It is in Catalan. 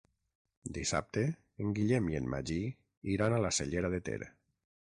Dissabte en Guillem i en Magí iran a la Cellera de Ter.